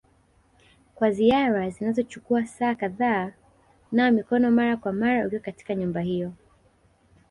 kwa ziara zinazochukua saa kadhaa nawa mikono mara kwa mara ukiwa katika nyumba hiyo.